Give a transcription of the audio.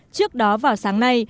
trước đó vào sáng nay